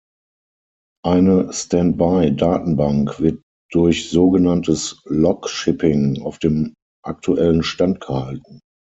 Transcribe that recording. Eine Standby-Datenbank wird durch sogenanntes Log-Shipping auf dem aktuellen Stand gehalten.